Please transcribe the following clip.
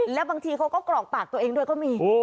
แล้วบางทีเขาก็กรอกปากตัวเองด้วยก็มี